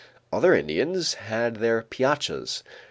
Other Indians had their piachas.